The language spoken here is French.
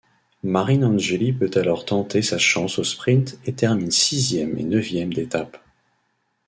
Marinangeli peut alors tenter sa chance au sprint et termine sixième et neuvième d'étapes.